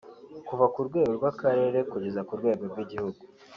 kuva ku rwego rw’akarere kugera ku rwego rw’igihugu